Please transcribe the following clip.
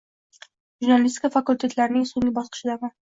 Jurnalistika fakultetlarining so‘nggi bosqichidaman.